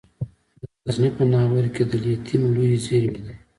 د غزني په ناوور کې د لیتیم لویې زیرمې دي.